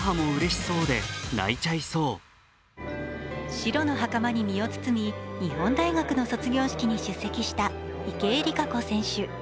白のはかまに身を包み、日本大学の卒業式に出席した池江璃花子選手。